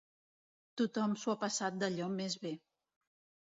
Tothom s'ho ha passat d'allò més bé.